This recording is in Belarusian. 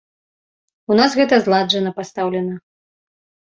У нас гэта зладжана пастаўлена.